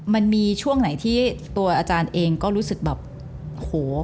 มันมีช่วงไหนที่ตัวอาจารย์เองก็รู้สึกแบบโห